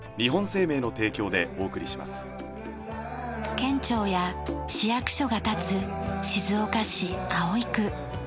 県庁や市役所が立つ静岡市葵区。